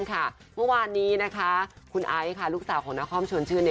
เมื่อวานนี้คุณไอซ์ลูกสาวของนครชวนชื่น